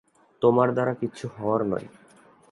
তোমার দ্বারা কিচ্ছু হওয়ার নয়।